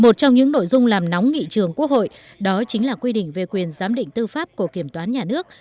một trong những nội dung làm nóng nghị trường quốc hội đó chính là quy định về quyền giám định tư pháp của kiểm toán nhà nước